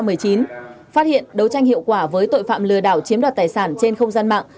phát hiện đấu tranh hiệu quả với tội phạm lừa đảo chiếm đoạt tài sản trên không gian mạng